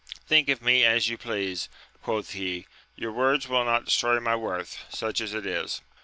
Think of me as you please, quoth he, your words will not destroy my worth, such as it is.